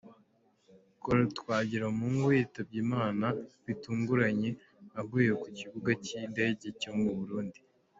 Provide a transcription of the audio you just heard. Col Twagiramungu yitabye Imana bitunguranye aguye ku kibuga cy’ indege cyo mu Burundi.